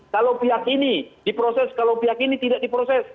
kalau pihak ini diproses kalau pihak ini tidak diproses